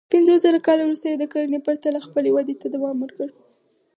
پنځوسزره کاله وروسته یې د کرنې پرته خپلې ودې ته دوام ورکړ.